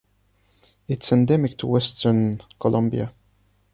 It’s endemic to western Colombia.